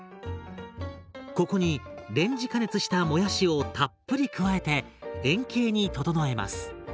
ここにレンジ加熱したもやしをたっぷり加えて円形に整えます。